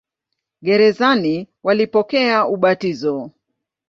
Gerezani walipokea ubatizo.